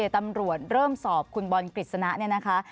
ตำรวจเริ่มสอบคุณบอลกฤษณะเนี่ยนะคะ